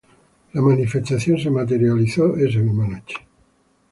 La manifestación se materializó esa misma noche.